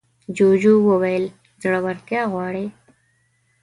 جوجو وویل زړورتيا غواړي.